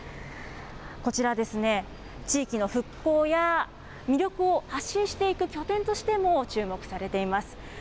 こちら、地域の復興や魅力を発信していく拠点としても注目されています。